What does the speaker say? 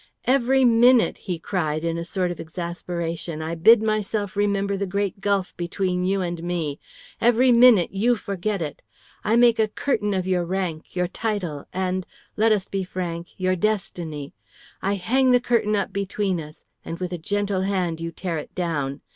"Every minute," he cried in a sort of exasperation, "I bid myself remember the great gulf between you and me; every minute you forget it. I make a curtain of your rank, your title, and let us be frank your destiny; I hang the curtain up between us, and with a gentle hand you tear it down.